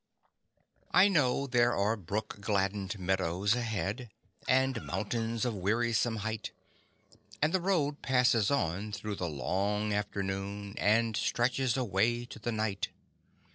I know there are brook gladdened meadows ahead And mountains of wearisome height; And the road passes on through the long afternoon And stretches away to the night.